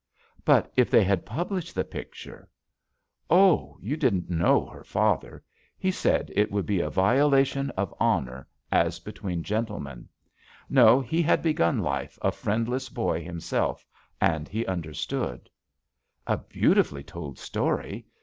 "But if they had published the picture?" ^ JUST SWEETHEARTS JJJ "Oh, you didn't know her father. He said it would be a violation of honor as between gentlemen. No, he had begun life a friend less boy himself, and he understood." "A beautifully told story.